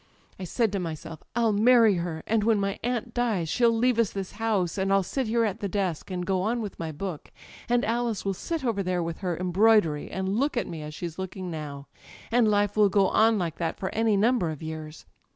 I said to myself: 'I'll many her» and when my aunt dies she'll leave us this house, and I'll sit here at the desk and go on with my book; and Alice will sit over there with her embroidery and look at me as she's looking now; And life will go on like that for any number of years.'